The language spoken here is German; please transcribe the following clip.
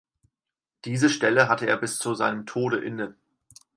Diese Stelle hatte er bis zu seinem Tode inne.